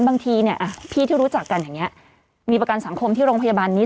บางทีเนี่ยพี่ที่รู้จักกันอย่างนี้มีประกันสังคมที่โรงพยาบาลนี้